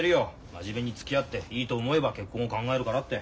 真面目につきあっていいと思えば結婚を考えるからって。